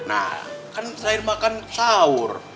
nah kan saya makan sahur